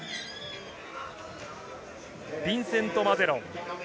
ビンセント・マゼロン。